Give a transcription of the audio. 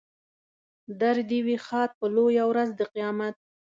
در دې وي ښاد په لویه ورځ د قیامت.